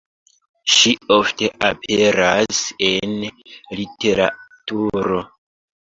Ŝi ofte aperas en literaturo.